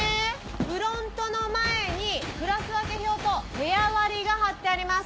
フロントの前にクラス分け表と部屋割りが張ってあります。